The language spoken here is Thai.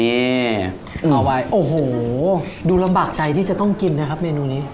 เอาไว้โอ้โหดูลำบากใจที่จะต้องกินนะครับเมนูนี้